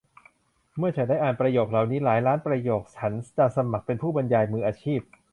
เมื่อฉันได้อ่านประโยคเหล่านี้หลายล้านประโยคฉันจะสมัครเป็นผู้บรรยายมืออาชีพ